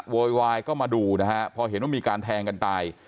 โวยวายก็มาดูนะฮะพอเห็นว่ามีการแทงกันตาย